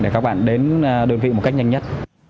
để các bạn đến đơn vị một cách nhanh nhất